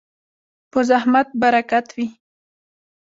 په زحمت برکت وي.